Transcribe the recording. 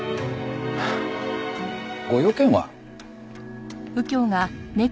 ご用件は？